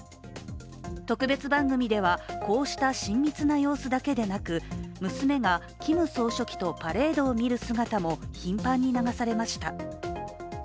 特別番組では、こうした親密な様子だけでなく娘がキム総書記とパレードを見る姿も頻繁に流されました。